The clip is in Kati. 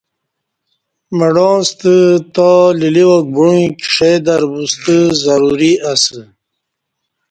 مڑاںستہ تالیلیواک بوعیک ݜئ در بوستہ ضروری اسہ